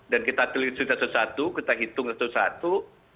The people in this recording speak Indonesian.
dan kita tulis satu satu kita hitung satu satu